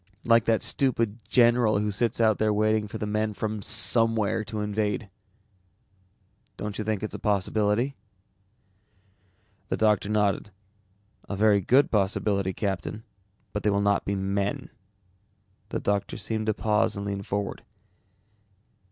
Like that stupid general who sits out there waiting for the men from somewhere to invade?" "Don't you think it's a possibility?" The doctor nodded. "A very good possibility, Captain, but they will not be men." The doctor seemed to pause and lean forward.